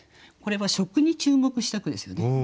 これは食に注目した句ですよね。